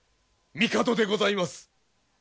帝でございます。